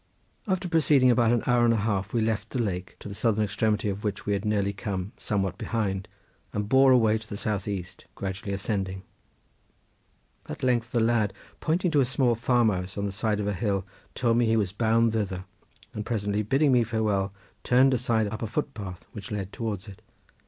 After proceeding about an hour and a half we left the lake, to the southern extremity of which we had nearly come, somewhat behind, and bore away to the south east, gradually ascending. At length the lad pointing to a small farm house on the side of a hill told me he was bound thither, and presently bidding me farewell turned aside up a footpath which led towards it.